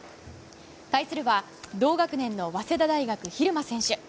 対するは同学年の早稲田大学、蛭間選手。